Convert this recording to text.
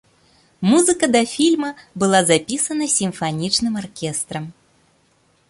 Музыка да фільма была запісана сімфанічным аркестрам.